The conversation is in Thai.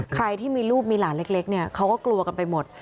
ใครที่มีลูกมีหลานเล็กเนี่ยเขาก็กลัวกันไปหมด